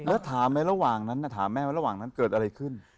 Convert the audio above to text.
แล้วถามไหมระหว่างนั้นถามแม่ว่าระหว่างนั้นเกิดอะไรขึ้น